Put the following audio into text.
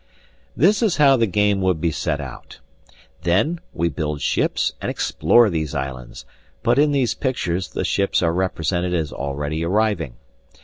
This is how the game would be set out. Then we build ships and explore these islands, but in these pictures the ships are represented as already arriving.